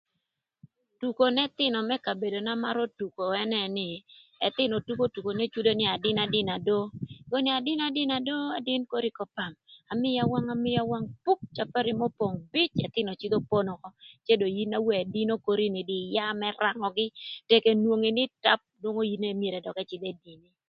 Tuko n'ëthïnö më kabedona marö tuko ënë nï ëthïnö tuko tuko n'ecwodo nï adïnadïna do. Kobo nï adïnadïna do adïnö kori k'öpam amïa wang amïa wang puk capari n'opong bïc ëthïnö cïdhö pono ökö cë dong in na wono ëdïnö kori ni ïya më rangögï tëk enwongi nï tap nwongo in myero dök ëcïdh edini.